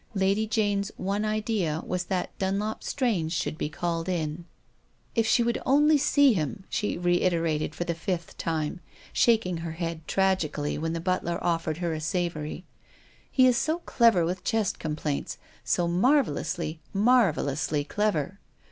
Lady Jane's one idea was that Dunlop Strange should be called in. " If she would only see him," she reiterated for the fifth time, shaking her head tragically when the butler offered her a savoury, " he is so clever with chest complaints, so marvel lously, marvellously clever